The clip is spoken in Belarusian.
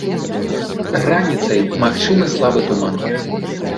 Раніцай магчымы слабы туман.